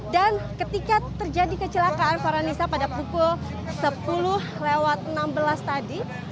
dan ketika terjadi kecelakaan foreignisa pada pukul sepuluh lewat enam belas tadi